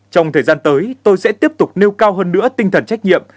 trong thời gian tới tôi sẽ tiếp tục nêu cao hơn nữa tinh thần trách nhiệm